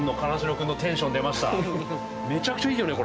めちゃくちゃいいよね？